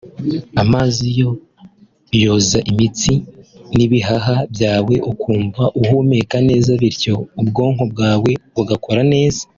Amazi yo yoza imitsi n’ibihaha byawe ukumva uhumeka neza bityo ubwonko bwawe bugakora neza